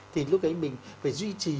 thì lúc ấy mình phải duy trì